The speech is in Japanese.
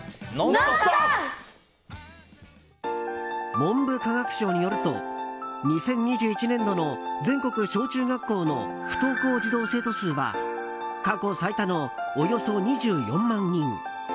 文部科学省によると２０２１年度の全国小中学校の不登校児童生徒数は過去最多のおよそ２４万人。